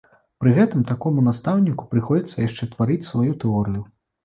Пры гэтым такому настаўніку прыходзіцца яшчэ тварыць сваю тэорыю.